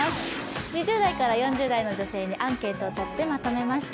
２０代から４０代の女性にアンケートをとってまとめました。